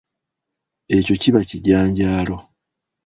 Ekyo kiba kijanjaalo.